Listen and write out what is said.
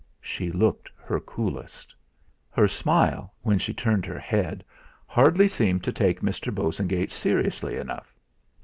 She looked her coolest. Her smile, when she turned her head, hardly seemed to take Mr. Bosengate seriously enough.